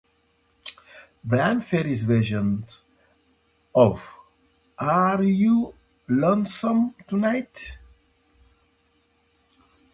Bryan Ferry's version of Are You Lonesome Tonight?